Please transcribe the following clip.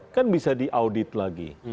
kan bisa diaudit lagi